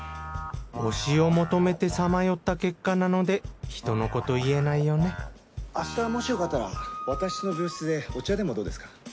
推しを求めてさまよった結果なので人のこと言えないよね明日もしよかったら私の病室でお茶でもどうですか？